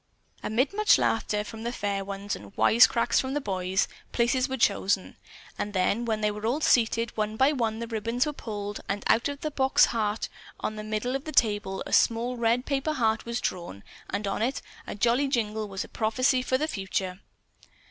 Amid much laughter from the fair ones and "wise cracks" from the boys, places were chosen, and then when they were all seated, one by one the ribbons were pulled and out of the box heart on the middle of the table a small red paper heart was drawn, and on it, in jolly jingle, was a prophesy for the future.